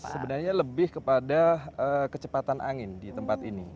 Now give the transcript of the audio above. sebenarnya lebih kepada kecepatan angin di tempat ini